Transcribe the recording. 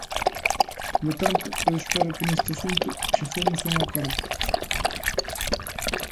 Polo tanto, eu espero que neste asunto cheguemos a un acordo.